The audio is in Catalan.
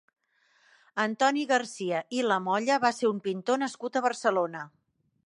Antoni Garcia i Lamolla va ser un pintor nascut a Barcelona.